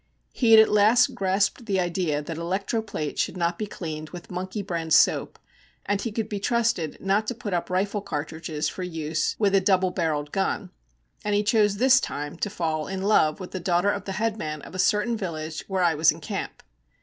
He had at last grasped the idea that electro plate should not be cleaned with monkey brand soap, and he could be trusted not to put up rifle cartridges for use with a double barrelled gun; and he chose this time to fall in love with the daughter of the headman of a certain village where I was in camp.